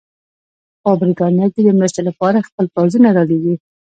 خو برټانیه که د مرستې لپاره خپل پوځونه رالېږي.